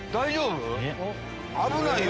危ないよ